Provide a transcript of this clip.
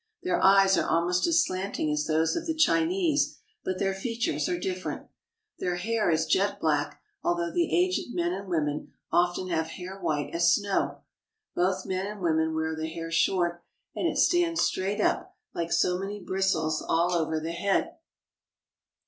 Their eyes are almost as slanting as those of the Chinese, but their features are different. Their hair is jet black, although the aged men and women often have hair white as snow. Both men and women wear the hair short, and it stands straight up like so many bristles all over the head.